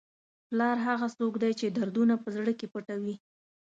پلار هغه څوک دی چې دردونه په زړه کې پټوي.